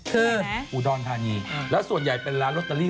คืออุดรธานีแล้วส่วนใหญ่เป็นร้านลอตเตอรี่